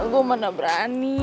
gue mana berani